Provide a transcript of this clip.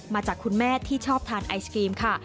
มาจากคุณแม่ที่ชอบทานไอศกรีมค่ะ